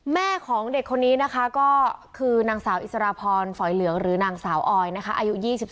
แม่สตราปรืนนี้คือสาวออยอายุ๒๒ปี